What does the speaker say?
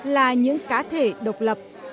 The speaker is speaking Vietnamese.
là những cá thể độc lập